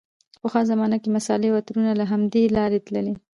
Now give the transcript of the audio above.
پخوا زمانو کې مصالحې او عطرونه له همدې لارې تللې.